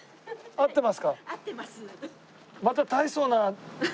合ってます。